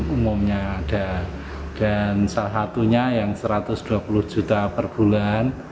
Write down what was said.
umumnya ada dan salah satunya yang satu ratus dua puluh juta per bulan